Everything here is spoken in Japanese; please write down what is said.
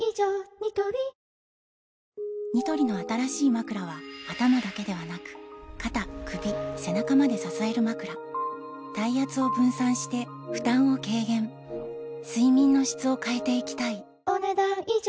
ニトリニトリの新しいまくらは頭だけではなく肩・首・背中まで支えるまくら体圧を分散して負担を軽減睡眠の質を変えていきたいお、ねだん以上。